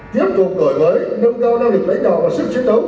tiếp tục đổi mới nâng cao năng lực lãnh đạo và sức chiến đấu